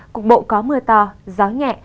cục bộ có mưa to gió nhẹ